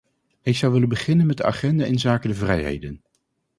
Ik zou willen beginnen met de agenda inzake de vrijheden.